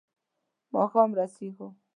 ماښام رسېږو.